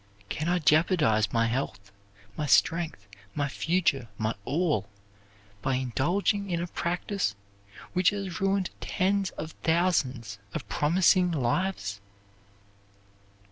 Can I jeopardize my health, my strength, my future, my all, by indulging in a practise which has ruined tens of thousands of promising lives?